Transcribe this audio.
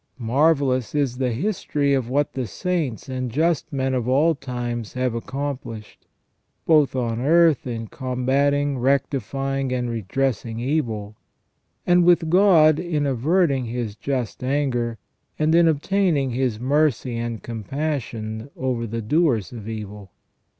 Marvellous is the history of what the saints and just men of all times have accomplished, both on earth in combating, rectifying, and redressing evil ; and with God in averting His just anger, and in obtaining His mercy and compassion over the doers of evil.